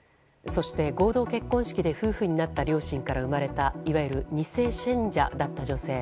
そして、合同結婚式で夫婦になった両親から生まれたいわゆる二世信者だった女性。